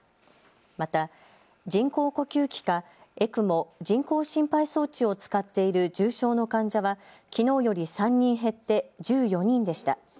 また人工呼吸器かＥＣＭＯ・人工心肺装置を使っている重症の患者はきのうより３人減って１４人でした。